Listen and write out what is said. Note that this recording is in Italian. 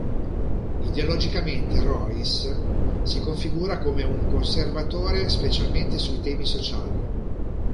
Ideologicamente Royce si configura come un conservatore, specialmente sui temi sociali.